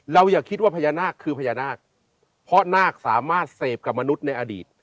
อย่าคิดว่าพญานาคคือพญานาคเพราะนาคสามารถเสพกับมนุษย์ในอดีต